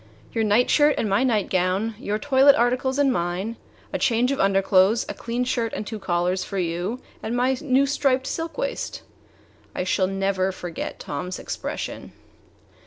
"Your nightshirt and my nightgown; your toilet articles and mine; a change of underclothes; a clean shirt and two collars for you, and my new striped silk waist." I shall never forget Tom's expression.